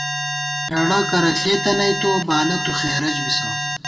ہېڑہ کرہ ݪېتہ نئ تو ، بالہ تُو خېرَج بِسہ